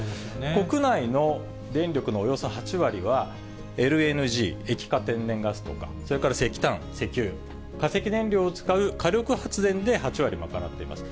国内の電力のおよそ８割は、ＬＮＧ・液化天然ガスとか、それから石炭、石油、化石燃料を使う火力発電で８割賄っています。